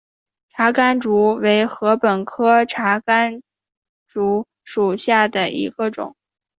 茶竿竹为禾本科茶秆竹属下的一个种。